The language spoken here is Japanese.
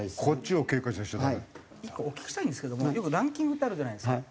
１個お聞きしたいんですけどもランキングってあるじゃないですか。